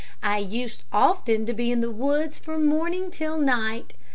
I used often to be in the woods from morning till night.